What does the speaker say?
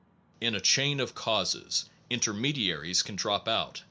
In a chain of causes, intermediaries can drop out.